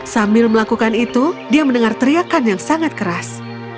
sambil melakukan itu dia mendengar teriakan yang sangat keras